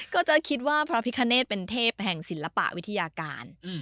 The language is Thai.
ก็จะคิดว่าพระพิคเนธเป็นเทพแห่งศิลปะวิทยาการ